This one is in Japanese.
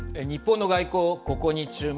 日本の外交ここに注目。